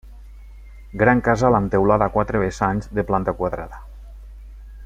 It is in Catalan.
Gran casal amb teulada a quatre vessants, de planta quadrada.